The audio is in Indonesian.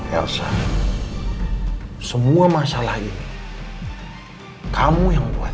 elsa semua masalah ini kamu yang buat